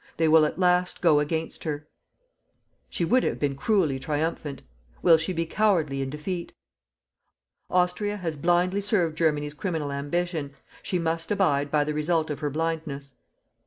They will at last go against her. She would have been cruelly triumphant. Will she be cowardly in defeat? Austria has blindly served Germany's criminal ambition. She must abide by the result of her blindness.